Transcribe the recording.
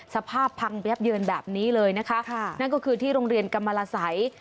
สภาพพังยับเยินแบบนี้เลยนะคะค่ะนั่นก็คือที่โรงเรียนกรรมลาสัย